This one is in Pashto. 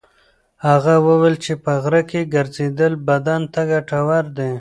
هغه وویل چې په غره کې ګرځېدل بدن ته ګټور دي.